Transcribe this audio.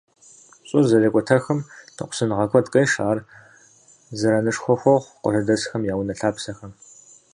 Щӏыр зэрекӏуэтэхым ныкъусаныгъэ куэд къешэ, ар зэранышхуэ хуохъу къуажэдэсхэм я унэ-лъапсэхэм.